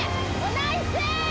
ナイス！